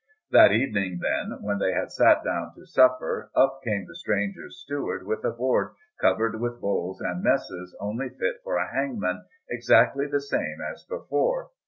That evening, then, when they had sat down to supper, up came the stranger's steward with a board covered with bowls and messes only fit for a hangman, exactly the same as before.